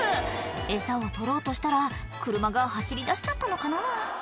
エサを取ろうとしたら車が走りだしちゃったのかな